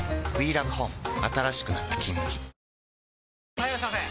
・はいいらっしゃいませ！